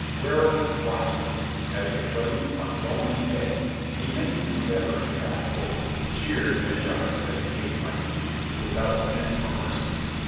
Warily, watchfully, as if treading on so many eggs, he makes the endeavor to pass over, cheered or jibed, as the case might be, without stint or mercy.